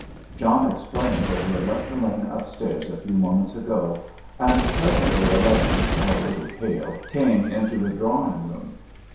John explained that he had left Elaine upstairs a few moments ago, and presently Elaine, a little pale, came into the drawing room.